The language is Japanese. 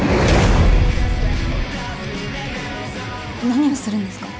何をするんですか。